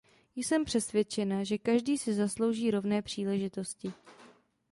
Jsem přesvědčena, že každý si zaslouží rovné příležitosti.